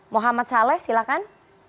mohamad shalais silakan